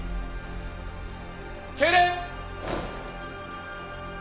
敬礼！